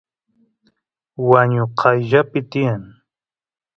wañu qayllapi tiyan